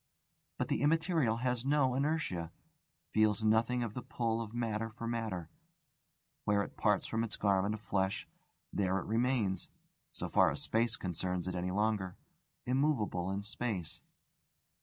But the immaterial has no inertia, feels nothing of the pull of matter for matter: where it parts from its garment of flesh, there it remains (so far as space concerns it any longer) immovable in space.